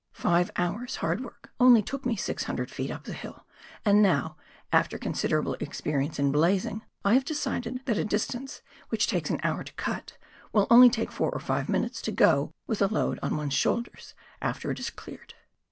Five hours' hard work only took me 600 ft. up the hill, and now, after considerable experience in " blazing," I have decided that a distance which takes an hour to cut, will only take four or five minutes to go with a load on one's shoulders after it is cleared.